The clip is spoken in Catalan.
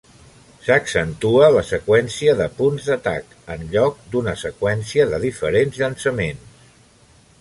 S'accentua la seqüència de punts d'atac, en lloc d'una seqüència de diferents llançaments.